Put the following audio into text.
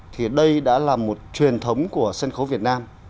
thì đây đã là một truyền thống của sân khấu việt nam